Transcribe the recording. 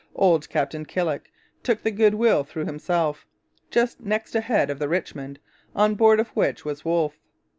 Old Captain Killick took the Goodwill through himself, just next ahead of the Richmond, on board of which was Wolfe.